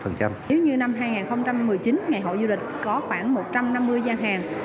nếu như năm hai nghìn một mươi chín ngày hội du lịch có khoảng một trăm năm mươi gian hàng